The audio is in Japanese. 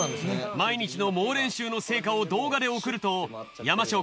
毎日の猛練習の成果を動画で送るとＹＡＭＡＳＨＯ